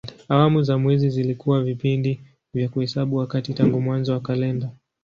Awamu za mwezi zilikuwa vipindi vya kuhesabu wakati tangu mwanzo wa kalenda.